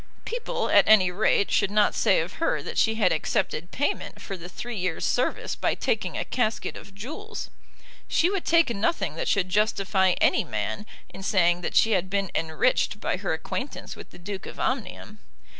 People, at any rate, should not say of her that she had accepted payment for the three years' service by taking a casket of jewels. She would take nothing that should justify any man in saying that she had been enriched by her acquaintance with the Duke of Omnium.